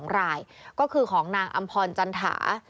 ๒รายก็คือของนางอำพรจันถา